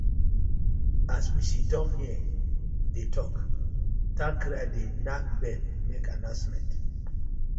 As we siddon here dey tok, towncrier dey nack bell mak annoucement.